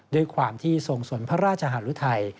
ด้วยความที่ทรงสนพระราชหารุทัย